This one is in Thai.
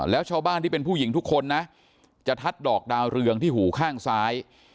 แล้วชาวบ้านที่เป็นผู้หญิงทุกคนนะจะทัดดอกดาวเรืองที่หูข้างซ้าย